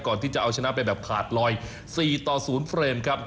จะเอาชนะไปแบบขาดลอย๔ต่อ๐เฟรมครับ